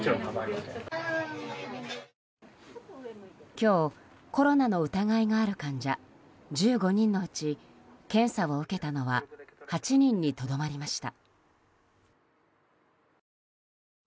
今日、コロナの疑いがある患者１５人のうち検査を受けたのは８人にとどまりました。